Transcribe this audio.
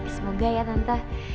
semoga ya tante